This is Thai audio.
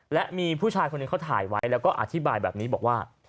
และมีผู้ชายคนหนึ่งเขาถ่ายไว้แล้วก็อธิบายแบบนี้บอกว่า